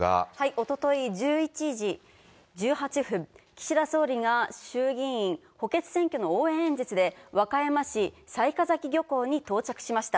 おととい１１時１８分、岸田総理が衆議院補欠選挙の応援演説で、和歌山市雑賀崎漁港に到着しました。